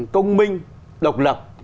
công minh độc lập